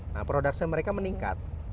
nah production mereka meningkat